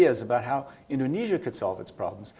tentang bagaimana indonesia bisa menyelesaikan masalah